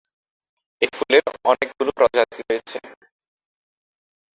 এই ফুলের অনেকগুলো প্রজাতি রয়েছে।